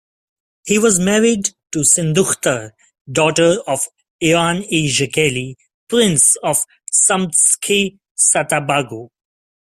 He was married to Sindukhtar, daughter of Ioann I Jaqeli, Prince of Samtskhe-Saatabago.